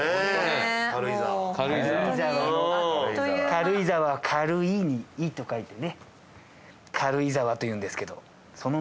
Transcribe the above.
「軽井沢は『軽い』に『井』と書いてね軽井沢というんですけどその」